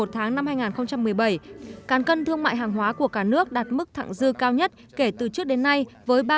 trong một mươi một tháng năm hai nghìn một mươi bảy cán cân thương mại hàng hóa của cả nước đạt mức thẳng dư cao nhất kể từ trước đến nay với ba một mươi bảy tỷ usd